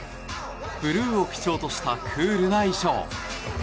ブルーを基調としたクールな衣装。